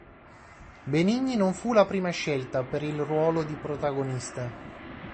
Benigni non fu la prima scelta per il ruolo di protagonista.